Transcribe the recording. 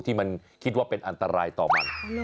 ที่มันคิดว่าเป็นอันตรายต่อมัน